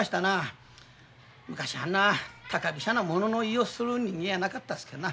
昔はあんな高飛車な物の言いようする人間やなかったですけどな。